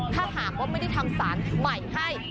ถ้าหากว่าไม่ได้ทำสารใหม่ให้